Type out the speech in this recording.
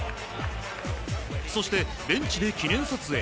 そして、ベンチで記念撮影。